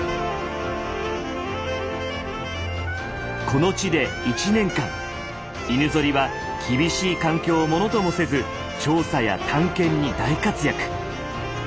この地で１年間犬ゾリは厳しい環境をものともせず調査や探検に大活躍。